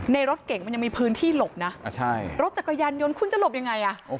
รถเก่งมันยังมีพื้นที่หลบนะรถจักรยานยนต์คุณจะหลบยังไงอ่ะ